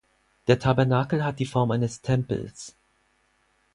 Der Tabernakel hat die Form eines Tempels.